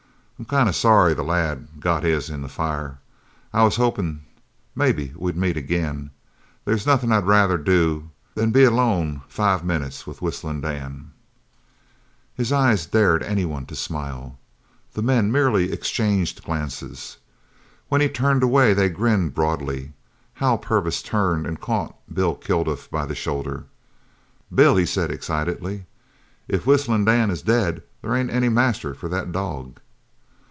"I'm kind of sorry the lad got his in the fire. I was hopin' maybe we'd meet agin. There's nothin' I'd rather do than be alone five minutes with Whistlin' Dan." His eyes dared any one to smile. The men merely exchanged glances. When he turned away they grinned broadly. Hal Purvis turned and caught Bill Kilduff by the shoulder. "Bill," he said excitedly, "if Whistlin' Dan is dead there ain't any master for that dog!"